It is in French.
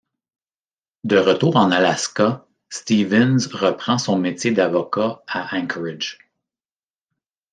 De retour en Alaska, Stevens reprend son métier d'avocat à Anchorage.